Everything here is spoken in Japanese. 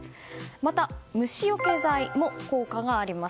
また、虫よけ剤も効果があります。